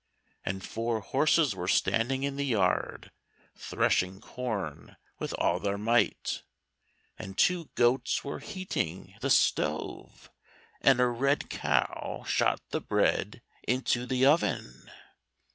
And four horses were standing in the yard threshing corn with all their might, and two goats were heating the stove, and a red cow shot the bread into the oven.